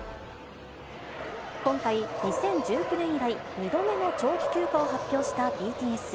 今回、２０１９年以来、２度目の長期休暇を発表したＢＴＳ。